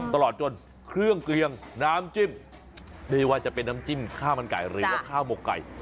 ตลอดจนเครื่องเกลียงน้ำจิ้มไม่ว่าจะเป็นน้ำจิ้มข้าวมันไก่หรือว่าข้าวหมกไก่